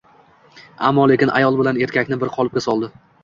Ammo-lekin ayol bilan erkakni bir qolipga soldi.